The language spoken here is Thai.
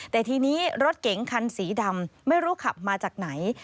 แต่ทีนี้รถเก๋งคันสีดำไม่รู้ขับมาจากไหน